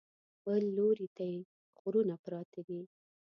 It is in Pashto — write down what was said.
بل لوري ته یې غرونه پراته دي.